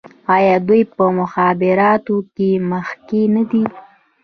آیا دوی په مخابراتو کې مخکې نه دي؟